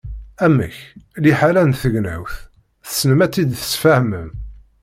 Amek, liḥala n tegnawt tessnem ad tt-id-tesfehmem.